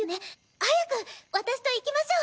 早く私と行きましょう。